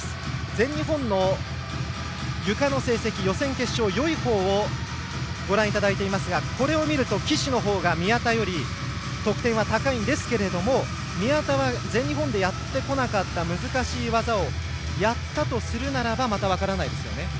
全日本のゆかの成績予選と決勝のよい方をご覧いただいていますが岸の方が宮田より得点は高いんですけれども宮田は全日本でやってこなかった難しい技をやったとするならばまた分からないですよね。